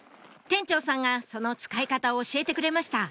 店長さんがその使い方を教えてくれました